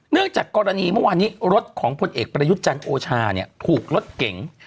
เนื่องจากกรณีเมื่อวานนี้รถของผลเอกปรยุจันทร์โอชาถูกรถเก่ง